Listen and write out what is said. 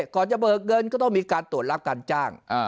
ก่อนจะเบิกเงินก็ต้องมีการตรวจรับการจ้าง